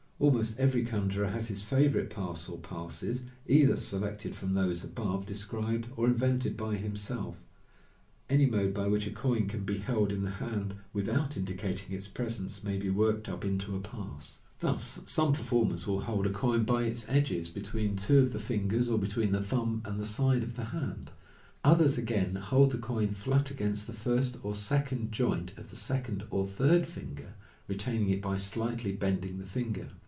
Almost every conjuror has his favourite pass or passes, either selected from those above de Any mode by which a coin can be held in the hand without indicating its presence may be worktd up into a pass. Trias, some performers will hold a coin by its edges Fig. 73. scribed, or invented by himself. 154 MODERN MAGIC. between two of the fingers, or between the thumb and the side of the hand. Others, again, hold the coin flat against the first or second joint of the second or third finger, retaining it by slightly bending the finger.